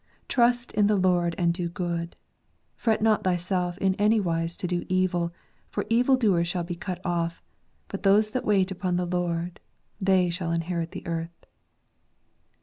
" Trust in the Lord, and do good; fret not thyself in anywise to do evil; for evil doers shall be cut off: but those that wait upon the Lord, they shall inherit the earth.